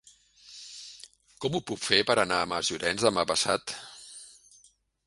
Com ho puc fer per anar a Masllorenç demà passat?